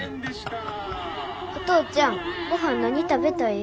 お父ちゃんごはん何食べたい？